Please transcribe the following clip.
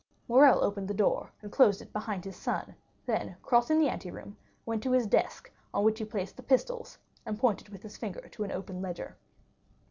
Morrel opened the door, and closed it behind his son; then, crossing the anteroom, went to his desk on which he placed the pistols, and pointed with his finger to an open ledger.